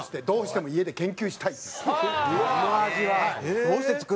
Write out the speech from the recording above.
どうしても家で研究したいって。